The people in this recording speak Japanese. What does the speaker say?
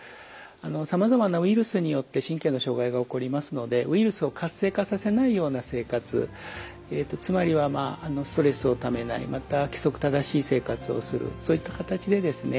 さまざまなウイルスによって神経の障害が起こりますのでウイルスを活性化させないような生活つまりはストレスをためないまた規則正しい生活をするそういった形でですね